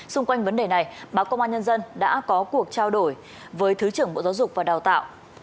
xung quanh vấn đề này báo công an nhân dân đã có cuộc trao đổi với thứ trưởng bộ giáo dục và đào tạo